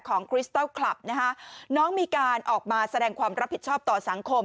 คริสตัลคลับนะฮะน้องมีการออกมาแสดงความรับผิดชอบต่อสังคม